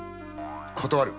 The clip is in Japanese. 断る！